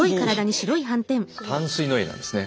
淡水のエイなんですね。